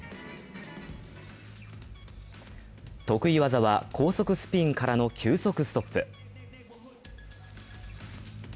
得意技は高速スピンからの急速ストップ。